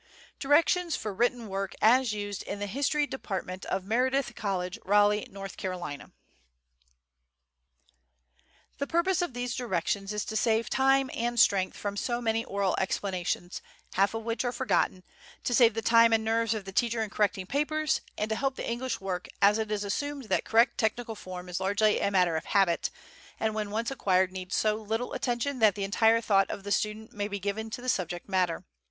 DIRECTIONS FOR WRITTEN WORK AS USED IN THE HISTORY DEPARTMENT OF MEREDITH COLLEGE, RALEIGH, NORTH CAROLINA. The purpose of these directions is to save time and strength from so many oral explanations half of which are forgotten; to save the time and nerves of the teacher in correcting papers; and to help the English work, as it is assumed that correct technical form is largely a matter of habit, and when once acquired needs so little attention that the entire thought of the student may be given to the subject matter.